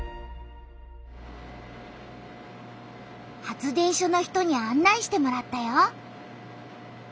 発電所の人にあん内してもらったよ。